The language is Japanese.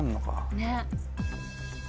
ねっ。